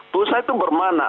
putusan itu bermana